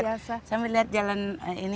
karena ini tamannya begitu indah luar biasa